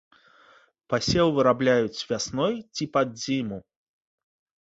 Пасеў вырабляюць вясной ці пад зіму.